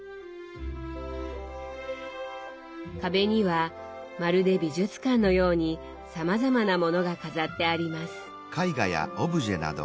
壁にはまるで美術館のようにさまざまなものが飾ってあります。